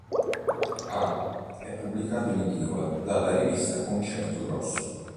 A. è pubblicato in edicola dalla rivista "Concerto Grosso".